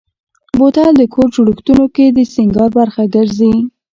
بوتل د کور جوړښتونو کې د سینګار برخه ګرځي.